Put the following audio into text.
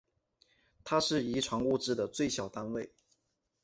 它是遗传物质的最小单位。